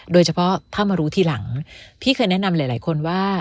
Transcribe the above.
โดยเฉพาะถ้ามารู้ทีหลังพี่เคยแนะนำหลายคนว่า